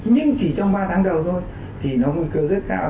nhưng chỉ trong ba tháng đầu thôi thì nó nguy cơ rất cao